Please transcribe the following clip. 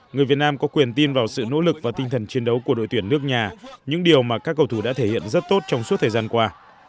người việt nam có quyền tin vào sự nỗ lực và tinh thần chiến đấu của đội tuyển nước nhà những điều mà các cầu thủ đã thể hiện rất tốt trong suốt thời gian qua